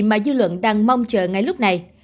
mà dư luận đang mong chờ ngay lúc này